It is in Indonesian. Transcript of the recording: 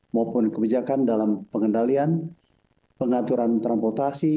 maupun kebijakan dalam pengendalian pengaturan transportasi